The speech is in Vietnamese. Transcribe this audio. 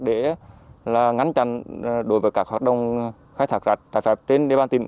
để ngăn chặn đối với các hoạt động khai thác cát trái phép trên địa bàn tỉnh